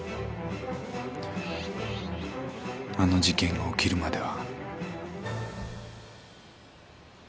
［あの事件が起きるまでは］